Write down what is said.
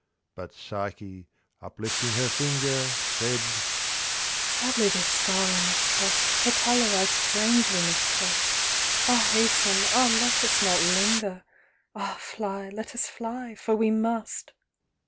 But Psyche, uplifting her finger, Said—"Sadly this star I mistrust— Her pallor I strangely mistrust— Ah, hasten!—ah, let us not linger! Ah, fly!—let us fly!—for we must."